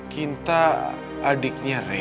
kinta adiknya rey